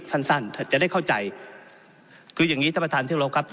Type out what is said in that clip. สั้นสั้นจะได้เข้าใจคืออย่างงี้ท่านประธานเที่ยวรบครับ